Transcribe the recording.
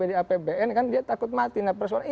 dari apbn kan dia takut mati nah persoalannya